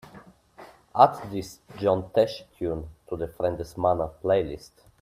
Add this John Tesh tune to the friendesemana playlist